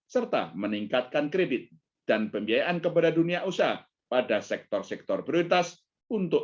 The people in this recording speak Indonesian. serta meningkatkan kredit dan pembiayaan kepada dunia usaha pada sektor sektor prioritas untuk